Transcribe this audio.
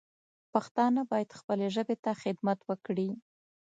پښتانه باید خپلې ژبې ته خدمت وکړي